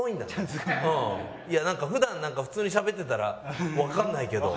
いや普段普通にしゃべってたらわかんないけど。